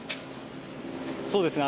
そうですね。